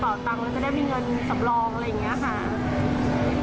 หรือว่าใครกระโมยกระเป๋าตัง